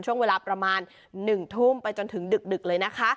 ช่วงเวลาประมาณ๑ทุ่มไปจนถึงดึกเลยนะคะ